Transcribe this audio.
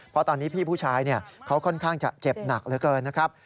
เพราะตอนนี้พี่ผู้ชายเขาค่อนข้างจะเจ็บหนักเหลือเกินนะครับ